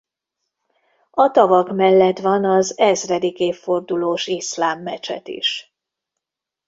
A tavak mellett van az Ezredik Évfordulós Iszlám Mecset is.